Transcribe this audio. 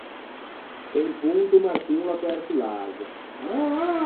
Pe un ponto Martin o l’à perso l’ase.